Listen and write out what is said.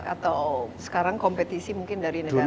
atau sekarang kompetisi mungkin dari negara negara lain